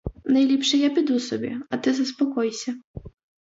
Найліпше я піду собі, а ти заспокойся.